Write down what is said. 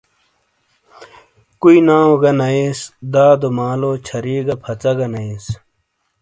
کُوٸی ناٶ گہ ناٸیس، دادو مالو چھَری گہ پھژہ گہ نٸیس